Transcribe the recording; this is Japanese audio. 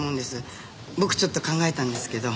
僕ちょっと考えたんですけど。